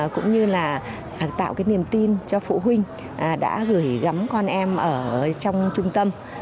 cũng như tạo niềm tin cho phụ huynh đã gửi gắm con em ở trong trung tâm